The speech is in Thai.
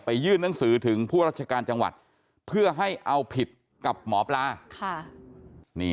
ยื่นหนังสือถึงผู้ราชการจังหวัดเพื่อให้เอาผิดกับหมอปลา